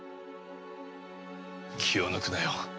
気を抜くなよ。